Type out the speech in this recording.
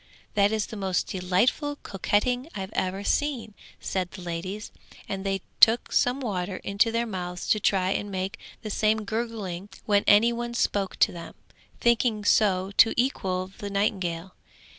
'That is the most delightful coquetting I have ever seen!' said the ladies, and they took some water into their mouths to try and make the same gurgling when any one spoke to them, thinking so to equal the nightingale.